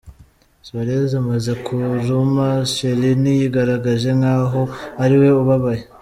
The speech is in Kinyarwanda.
Suarez amaze kuruma Chiellini yigaragaje nk’aho ari we ubabaye.